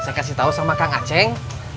saya kasih tau sama kang acing